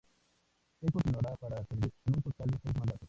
Él continuaría para servir en un total de seis mandatos.